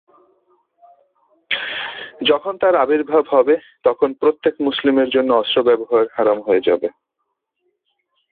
যখন তার আবির্ভাব হবে তখন প্রত্যেক মুসলিমের জন্য অস্ত্র ব্যবহার হারাম হয়ে যাবে।